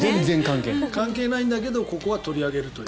関係ないんだけどここで取り上げるという。